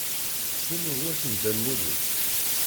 Tessnem gma-s n Dda Lmulud?